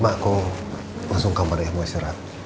ma aku langsung ke kamarnya mau istirahat